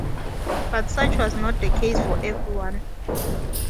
But such was not the case for everyone.